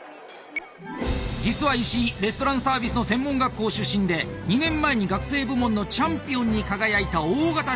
実は石井レストランサービスの専門学校出身で２年前に学生部門のチャンピオンに輝いた大型新人。